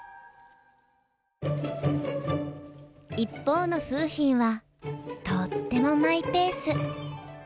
一方の楓浜はとってもマイペース。